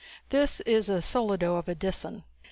This is a solido of a Disan."